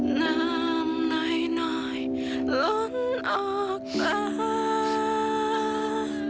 น้ำหน่อยล้นออกกลาง